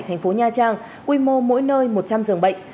thành phố nha trang quy mô mỗi nơi một trăm linh giường bệnh